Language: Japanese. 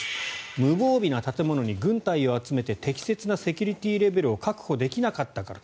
無防備な建物に軍隊を集めて適切なセキュリティーレベルを確保できなかったからだ